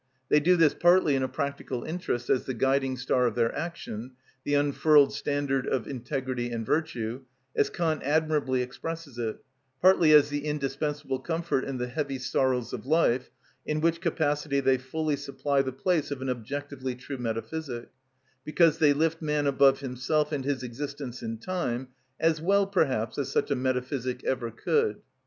They do this partly in a practical interest, as the guiding star of their action, the unfurled standard of integrity and virtue, as Kant admirably expresses it; partly as the indispensable comfort in the heavy sorrows of life, in which capacity they fully supply the place of an objectively true metaphysic, because they lift man above himself and his existence in time, as well perhaps as such a metaphysic ever could.